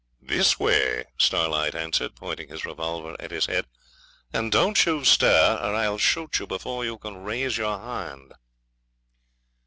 'This way,' Starlight answered, pointing his revolver at his head, 'and don't you stir or I'll shoot you before you can raise your hand.'